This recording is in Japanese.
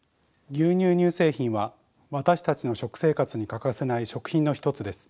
牛乳・乳製品は私たちの食生活に欠かせない食品の一つです。